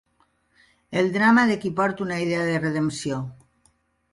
El drama de qui porta una idea de redempció